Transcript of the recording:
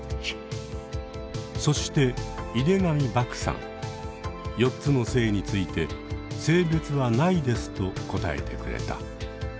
そして４つの性について性別は無いですと答えてくれた。